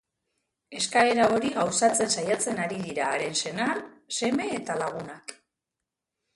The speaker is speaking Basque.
Eskaera hori gauzatzen saiatzen ari dira haren senar, seme eta lagunak.